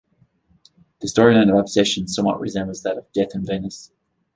The storyline of obsession somewhat resembles that of "Death in Venice".